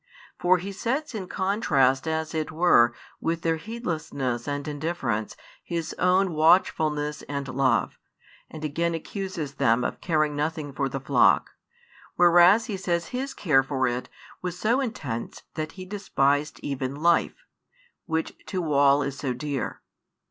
For He sets in contrast as it were with their heedlessness and indifference His own watchfulness and love; and again accuses them of caring nothing for the flock, whereas He says His care for it was so intense that He despised even life, which to all is so dear.